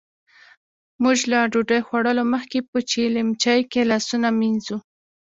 موژ له ډوډۍ خوړلو مخکې په چیلیمچې کې لاسونه مينځو.